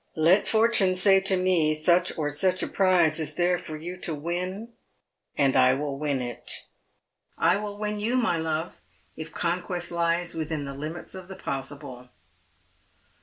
Let Fortune say to me such or such a prize is there for you to win, and I will win it. 1 will win you, my love, if conquest Ues within the limits of the possible."